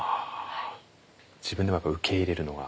自分では受け入れるのが。